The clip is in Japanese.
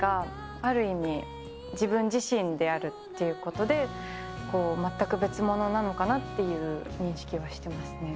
ある意味、自分自身であるっていうことで、全く別物なのかなっていう認識はしてますね。